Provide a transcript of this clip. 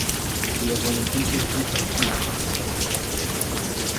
Wir wollen endlich sichere Flüge.